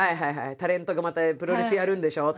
タレントがまたプロレスやるんでしょって。